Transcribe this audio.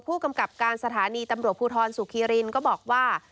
ผู้กำกับการสถานีตำรวจภูทรสุขีรินก็บอกว่า